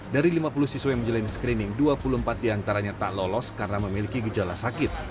dari lima puluh siswa yang menjalani screening dua puluh empat diantaranya tak lolos karena memiliki gejala sakit